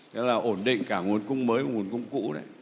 thế là ổn định cả nguồn cung mới và nguồn cung cũ đấy